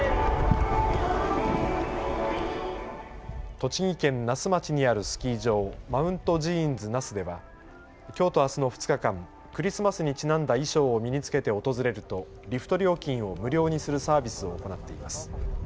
栃木県那須町にあるスキー場、マウントジーンズ那須ではきょうとあすの２日間、クリスマスにちなんだ衣装を身に着けて訪れるとリフト料金を無料にするサービスを行っています。